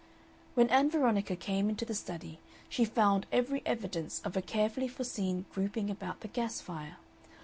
When Ann Veronica came into the study she found every evidence of a carefully foreseen grouping about the gas fire.